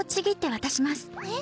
えっ？